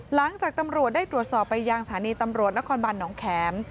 หลังจากตำรวจได้ตรวจสอบไปยังสถานีตำรวจนครบันหนองแข็ม